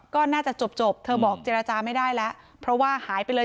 ก็น่าจะจบเธอบอกเจรจาไม่ได้แล้วเพราะว่าหายไปเลย